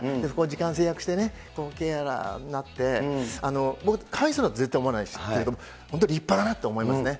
時間制約して、ケアラーになって、僕、かわいそうだとは絶対思わないですけれども、本当立派だなと思いますね。